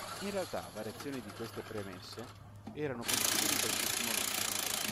In realtà variazioni di queste premesse erano possibile in qualsiasi momento.